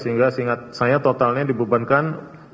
sehingga seingat saya totalnya dibebankan